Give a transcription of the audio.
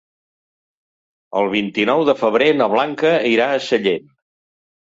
El vint-i-nou de febrer na Blanca irà a Sellent.